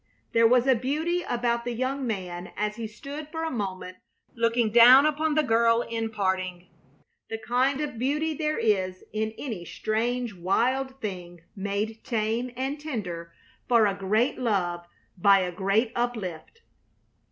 There was a beauty about the young man as he stood for a moment looking down upon the girl in parting, the kind of beauty there is in any strong, wild thing made tame and tender for a great love by a great uplift.